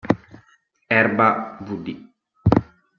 Erba, vd.